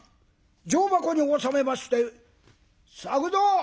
状箱におさめまして「作蔵！